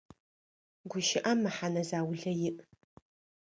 Гущыӏэм мэхьэнэ заулэ иӏ.